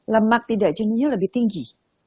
lemak tidak jenuhnya lebih tinggi